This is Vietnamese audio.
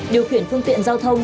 điều khiển phương tiện giao thông